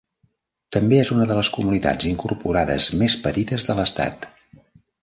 També és una de les comunitats incorporades més petites de l'estat.